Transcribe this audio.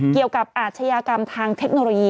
เกี่ยวกับอาชญากรรมทางเทคโนโลยี